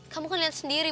kamu kan lihat sendiri